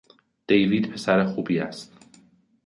دیوید پسر خوبی است.